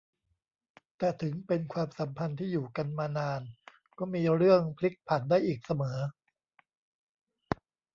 แต่ถึงเป็นความสัมพันธ์ที่อยู่กันมานานก็มีเรื่องพลิกผันได้อีกเสมอ